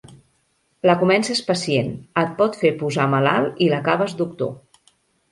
La comences pacient, et pot fer posar malalt i l'acabes doctor.